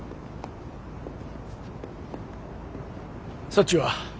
そっちは？